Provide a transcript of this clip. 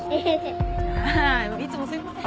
ああいつもすみません。